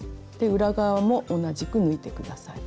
裏側も同じく抜いて下さい。